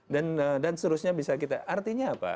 dan selanjutnya bisa kita artinya apa